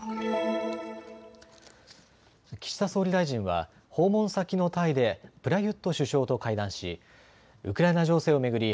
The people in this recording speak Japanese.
岸田総理大臣は訪問先のタイでプラユット首相と会談しウクライナ情勢を巡り